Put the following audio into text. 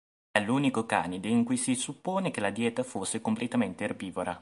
È l'unico canide in cui si suppone che la dieta fosse completamente erbivora.